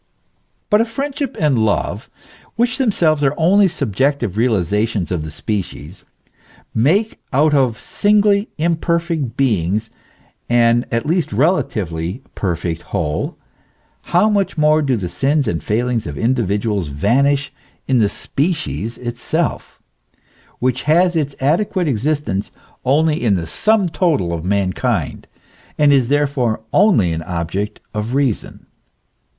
But if friendship and love, which themselves are only sub jective realizations of the species, make out of singly imperfect beings an at least relatively perfect whole, how much more do the sins and failings of individuals vanish in the species itself, which has its adequate existence only in the sum total of mankind, and is therefore only an object of reason